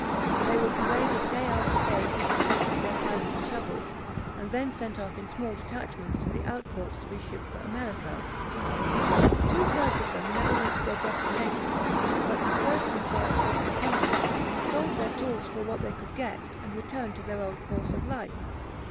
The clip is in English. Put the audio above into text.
They were paraded day after day through the streets with their pikes and shovels, and then sent off in small detachments to the out ports to be shipped for America. Two thirds of them never reached their destination, but dispersed themselves over the country, sold their tools for what they could get, and returned to their old course of life.